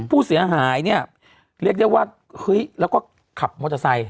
ผู้เสียหายเนี่ยเรียกได้ว่าเฮ้ยแล้วก็ขับมอเตอร์ไซค